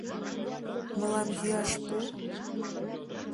— Мылам йӱаш пу…